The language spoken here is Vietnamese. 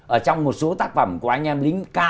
ở trong một số tác phẩm của anh em lính ca